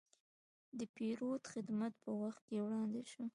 د پیرود خدمت په وخت وړاندې شو.